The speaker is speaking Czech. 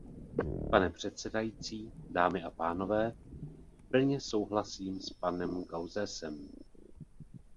Pane předsedající, dámy a pánové, plně souhlasím s panem Gauzèsem.